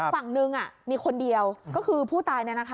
ฝั่งหนึ่งมีคนเดียวก็คือผู้ตาย